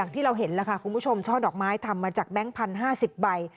ที่เราเห็นแล้วค่ะคุณผู้ชมช่อดอกไม้ทำมาจากแบงค์พันธุ์๕๐ใบ